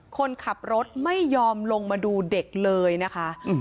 คนขับรถไม่ยอมลงมาดูเด็กเลยนะคะ